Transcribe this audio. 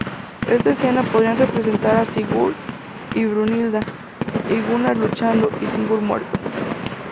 Esta escena podría representar a Sigurd y Brunilda, y Gunnar luchando, y Sigurd muerto.